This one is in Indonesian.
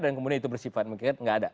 dan kemudian itu bersifat mungkin nggak ada